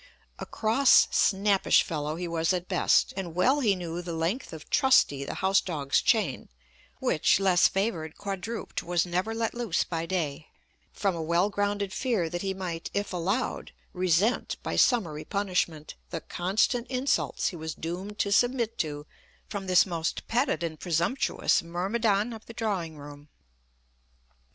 A cross, snappish fellow he was at best, and well he knew the length of Trusty the house dog's chain, which less favoured quadruped was never let loose by day, from a well grounded fear that he might, if allowed, resent, by summary punishment, the constant insults he was doomed to submit to from this most petted and presumptuous myrmidon of the drawing room.